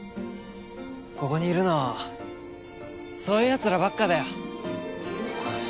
ここにいるのはそういう奴らばっかだよ。